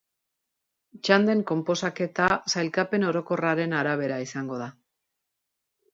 Txanden konposaketa sailkapen orokorraren arabera izango da.